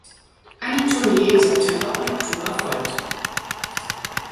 Eine Tournee im September und Oktober folgte.